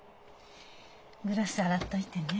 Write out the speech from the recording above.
グラス洗っといてね。